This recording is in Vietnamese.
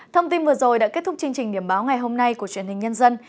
thông tin vừa rồi đã kết thúc chương trình điểm báo ngày hôm nay của truyền hình nhân dân